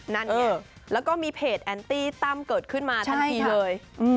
นั่นไงแล้วก็มีเพจแอนตี้ตั้มเกิดขึ้นมาทันทีเลย